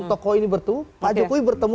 tokoh ini bertemu pak jokowi bertemu